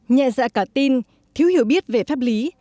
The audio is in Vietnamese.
nhẹ dạ cả tin thiếu hiểu biết về pháp lý